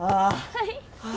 はい。